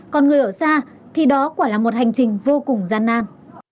còn người ở xa thì đó quả là một hành trình vô cùng gian nan